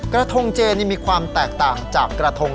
กระทงเจนี่มีความแตกต่างจากกระทง